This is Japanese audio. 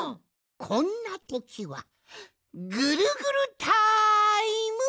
こんなときはぐるぐるタイム！